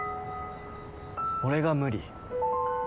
「俺が無理」